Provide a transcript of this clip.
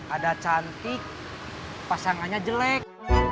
ada cantik pasangannya jelek